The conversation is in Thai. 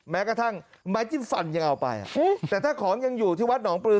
แม้กระทั่งไม้จิ้มฟันยังเอาไปแต่ถ้าของยังอยู่ที่วัดหนองปลือ